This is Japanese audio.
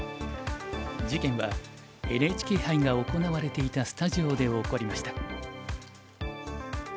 事件はＮＨＫ杯が行われていたスタジオで起こりました。